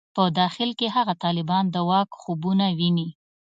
په داخل کې هغه طالبان د واک خوبونه ویني.